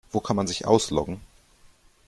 Wo kann man sich ausloggen?